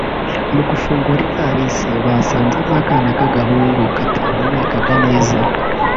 Mu gufungura ivalisi basanzemo akana k’agahungu katahumekaga neza